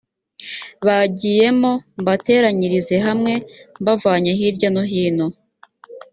bagiyemo mbateranyirize hamwe mbavanye hirya no hino